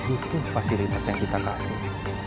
itu fasilitas yang kita kasih